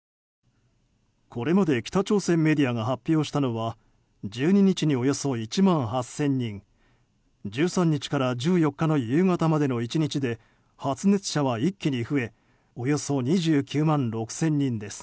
これまで北朝鮮メディアが発表したのは１２日におよそ１万８０００人１３日から１４日の夕方までの１日で発熱者は一気に増えおよそ２９万６０００人です。